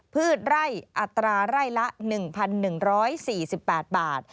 พืชไร่อัตราไร่ละ๑๑๔๘บาท